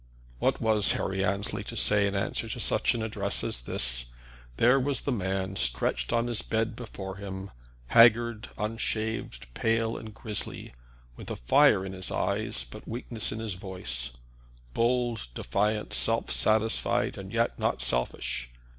What was Harry Annesley to say in answer to such an address as this? There was the man, stretched on his bed before him, haggard, unshaved, pale, and grizzly, with a fire in his eyes, but weakness in his voice, bold, defiant, self satisfied, and yet not selfish.